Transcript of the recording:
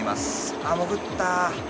あっ、潜った。